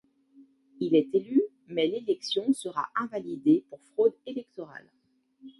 Il est élu, mais l’élection sera invalidée pour fraude électorale.